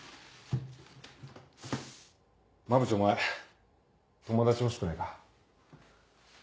馬淵お前友達欲しくないか？